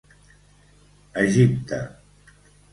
Egipte.